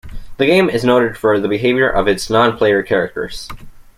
The game is noted for the behaviour of its non-player characters.